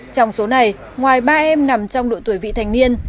trong số này ngoài ba em nằm trong độ tuổi vị thành niên